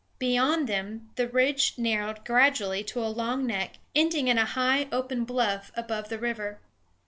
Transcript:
Beyond them the ridge narrowed gradually to a long neck, ending in a high open bluff above the river.